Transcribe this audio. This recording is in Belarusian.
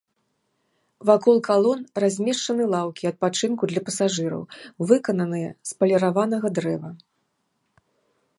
Вакол калон размешчаны лаўкі адпачынку для пасажыраў, выкананыя з паліраванага дрэва.